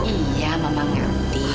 iya mama ngerti